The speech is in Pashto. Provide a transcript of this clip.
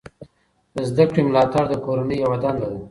د زده کړې ملاتړ د کورنۍ یوه دنده ده.